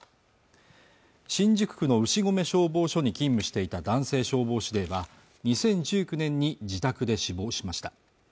新宿区の牛込消防署に勤務していた男性消防司令が２０１９年に自宅で死亡しました